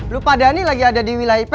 lo pada ini lagi ada di wilayah ips